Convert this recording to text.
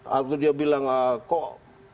waktu dia bilang kok